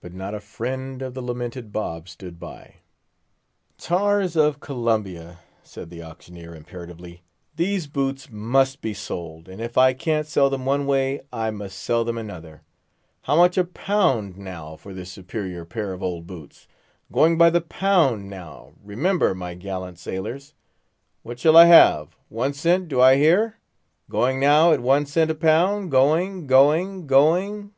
But not a friend of the lamented Bob stood by. "Tars of Columbia," said the auctioneer, imperatively, "these boots must be sold; and if I can't sell them one way, I must sell them another. How much a pound, now, for this superior pair of old boots? going by the pound now, remember, my gallant sailors! what shall I have? one cent, do I hear? going now at one cent a pound—going—going—going—_gone!